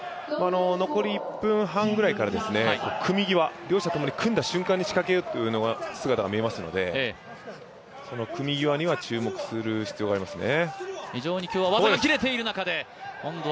残り１分半ぐらいから組み際両者ともに組んだ瞬間、仕掛けようという姿が見えますので、組み際には注目する必要がありますね。